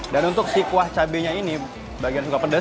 dan untuk kuah cabai bagian yang sangat pedas